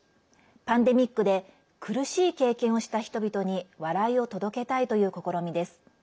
パンデミックで苦しい経験をした人々に笑いを届けたいという試みです。